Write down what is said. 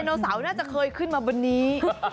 โนเสาร์น่าจะเคยขึ้นมาบนนี้